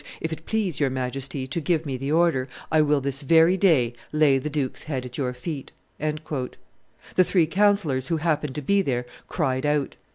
"If it please your, Majesty to give me the order, I will this very day lay the duke's head at your feet." The three councillors who happened to be there cried out.